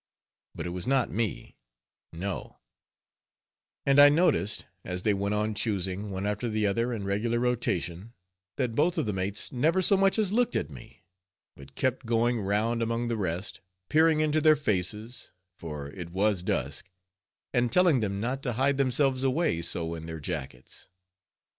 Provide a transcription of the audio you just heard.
But it was not me;— no; and I noticed, as they went on choosing, one after the other in regular rotation, that both of the mates never so much as looked at me, but kept going round among the rest, peering into their faces, for it was dusk, and telling them not to hide themselves away so in their jackets.